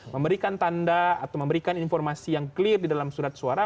memberikan tanda atau memberikan informasi yang clear di dalam surat suara